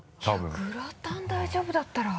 グラタン大丈夫だったら。